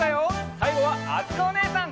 さいごはあつこおねえさん！